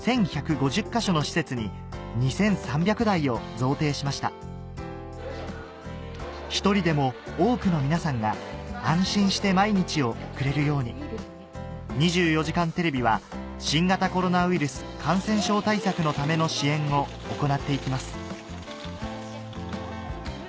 か所の施設に２３００台を贈呈しました１人でも多くの皆さんが安心して毎日を送れるように『２４時間テレビ』は新型コロナウイルス感染症対策のための支援を行っていきます